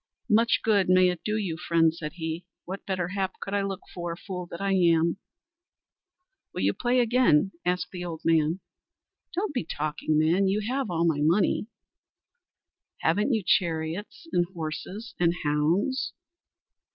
"Much good may it do you, friend," said he, "What better hap could I look for, fool that I am!" "Will you play again?" asked the old man. "Don't be talking, man; you have all my money." "Haven't you chariot and horses and hounds?"